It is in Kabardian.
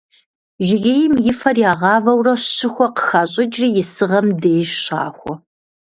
Жыгейм и фэр ягъавэурэ щыхуэ къыхащӏыкӏри исыгъэм деж щахуэ.